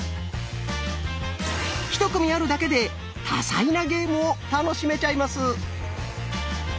１組あるだけで多彩なゲームを楽しめちゃいます。